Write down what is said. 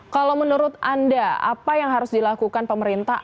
kalau menurut anda apa yang harus dilakukan pemerintah